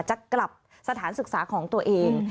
จะกลับสถานศึกษาของตัวเอง